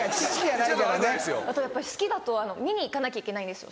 あとやっぱ好きだと見に行かなきゃいけないんですよ